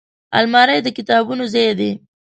الماري د کتابونو ځای دی